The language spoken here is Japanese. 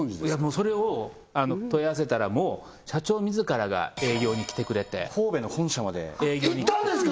それを問い合わせたらもう社長自らが営業に来てくれて神戸の本社まで行ったんですか？